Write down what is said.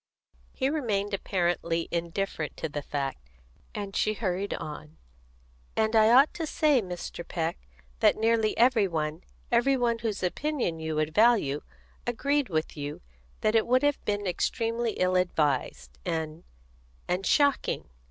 He remained apparently indifferent to the fact, and she hurried on: "And I ought to say, Mr. Peck, that nearly every one every one whose opinion you would value agreed with you that it would have been extremely ill advised, and and shocking.